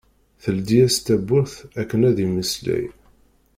Teldi-as-d tawwurt akken ad yemmeslay.